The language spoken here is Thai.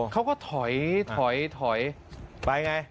เขาก็ถอยถอยไปไง